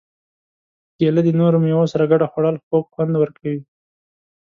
کېله د نورو مېوو سره ګډه خوړل خوږ خوند ورکوي.